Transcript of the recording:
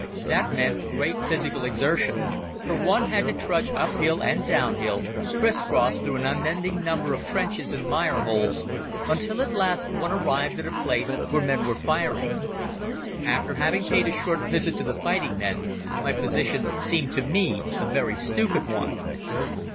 That meant great physical exertion, for one had to trudge uphill and downhill, criss cross, through an unending number of trenches and mire holes until at last one arrived at a place where men were firing. After having paid a short visit to the fighting men, my position seemed to me a very stupid one.